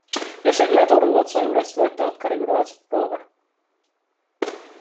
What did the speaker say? Ja selle toruotsa juurest võetavat ka regulaarselt proove.